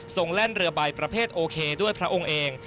แล่นเรือใบประเภทโอเคด้วยพระองค์เอง